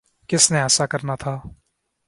کس نے ایسا کرنا تھا؟